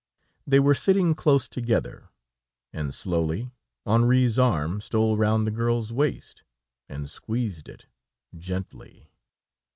They were sitting close together, and slowly Henri's arm stole round the girl's waist and squeezed it gently.